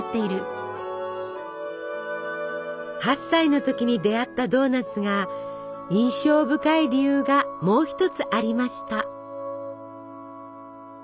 ８歳の時に出会ったドーナツが印象深い理由がもう一つありました。